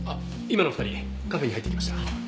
今の２人カフェに入っていきました。